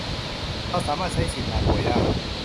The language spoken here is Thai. เราสามารถใช้สิทธิ์ลาป่วยได้